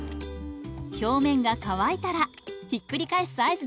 表面が乾いたらひっくり返す合図です。